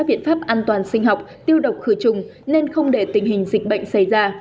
đoàn sinh học tiêu độc khử trùng nên không để tình hình dịch bệnh xảy ra